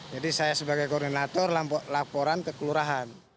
jadi saya sebagai koordinator laporan ke kelurahan